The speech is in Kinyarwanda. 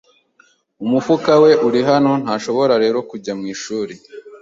Umufuka we uri hano, ntashobora rero kujya mwishuri.